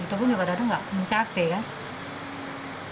tapi pada waktu itu nggak mencate kan